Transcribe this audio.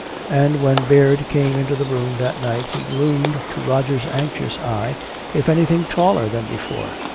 And when Baird came into the room that night he loomed, to Roger's anxious eye, if anything taller than before.